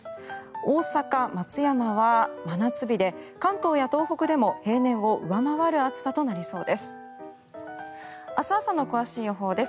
大阪、松山は真夏日で関東や東北でも平年を上回る暑さとなりそうです。